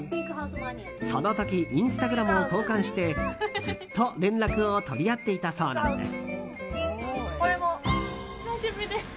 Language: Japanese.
その時インスタグラムを交換してずっと連絡を取り合っていたそうなんです。